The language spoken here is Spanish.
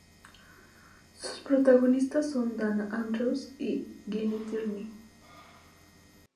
Sus protagonistas son Dana Andrews y Gene Tierney.